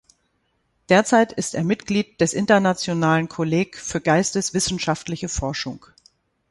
Derzeit ist er Mitglied des Internationalen Kolleg für Geisteswissenschaftliche Forschung.